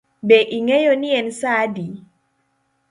Be ing'eyo ni en saa adi?